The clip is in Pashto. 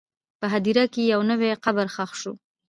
په هدیره کې یو نوی قبر ښخ شو.